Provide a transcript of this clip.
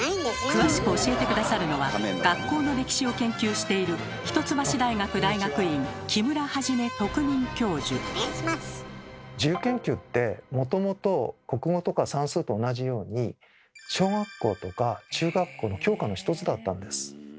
詳しく教えて下さるのは学校の歴史を研究している自由研究ってもともと国語とか算数と同じように小学校とか中学校の教科の１つだったんです。